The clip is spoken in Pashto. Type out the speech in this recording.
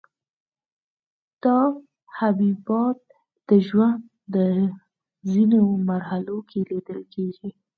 دا حبیبات د ژوند په ځینو مرحلو کې لیدل کیږي.